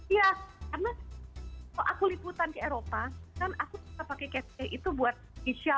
ya karena kalau aku liputan ke eropa kan aku suka pakai cashtag itu buat isha